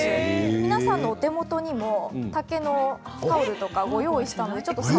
皆さんのお手元にも竹のタオルなどをご用意しました。